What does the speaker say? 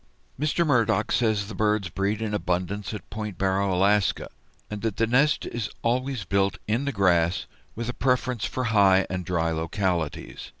Mr. Murdock says the birds breed in abundance at Point Barrow, Alaska, and that the nest is always built in the grass, with a preference for high and dry localities.